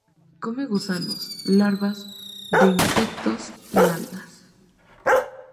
Come gusanos, larvas de insectos y algas.